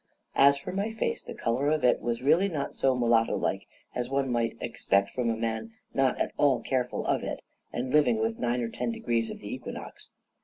As for my face, the color of it was really not so mulatto like as one might expect from a man not at all careful of it, and living within nine or ten degrees of the equinox.